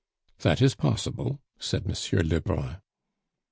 "That is possible," said Monsieur Lebrun.